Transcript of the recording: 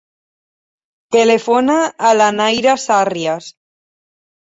Telefona a la Naira Sarrias.